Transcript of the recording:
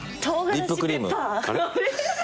リップクリーム。